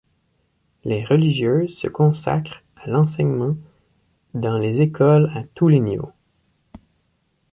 Les religieuses se consacrent à l'enseignement dans les écoles à tous les niveaux.